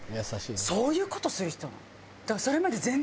そういう事する人なの。